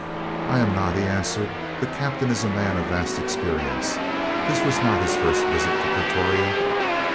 "I am not," he answered. "The Captain is a man of vast experience. This was not his first visit to Pretoria.